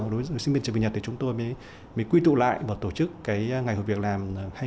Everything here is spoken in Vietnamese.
đối với sinh viên trường việt nhật thì chúng tôi mới quy tụ lại và tổ chức cái ngày hội việc làm hai nghìn hai mươi